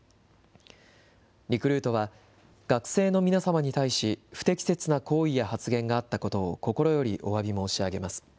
リクルートは、学生の皆様に対し不適切な行為や発言があったことを心よりおわび申し上げます。